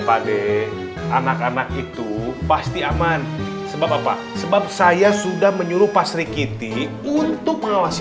pade anak anak itu pasti aman sebab apa sebab saya sudah menyuruh pas rikiti untuk mengawasi